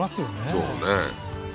そうね